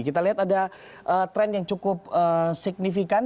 kita lihat ada tren yang cukup signifikan